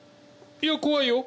いや怖いよ。